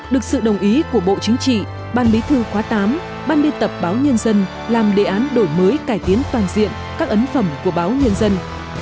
được sự đồng ý của bộ chính trị ban bí thư khóa tám ban biên tập báo nhân dân làm đề án đổi mới cải tiến toàn diện các ấn phẩm của báo nhân dân